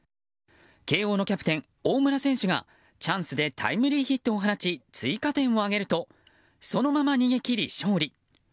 慶応のキャプテン、大村選手がチャンスでタイムリーヒットを放ち、追加点を挙げるとそのまま逃げ切り、勝利。